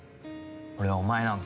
俺はお前なんか。